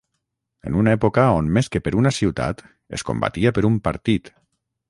en una època on més que per una ciutat es combatia per un partit